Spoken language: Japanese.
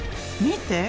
見て！